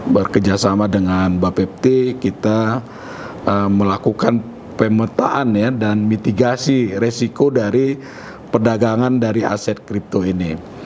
bekerjasama dengan bapepti kita melakukan pemetaan dan mitigasi resiko dari perdagangan dari aset kripto ini